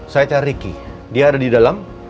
saya cari ricky dia ada di dalam